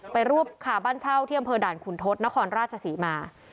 รวบคาบ้านเช่าที่อำเภอด่านขุนทศนครราชศรีมา